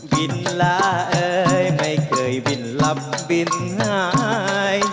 บินละเอ่ยไม่เคยบินลับบินหาย